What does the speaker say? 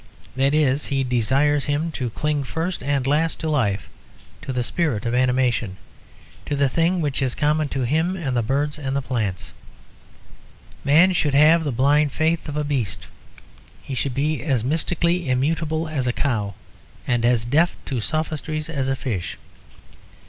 That is, he desires him to cling first and last to life, to the spirit of animation, to the thing which is common to him and the birds and plants. Man should have the blind faith of a beast: he should be as mystically immutable as a cow, and as deaf to sophistries as a fish.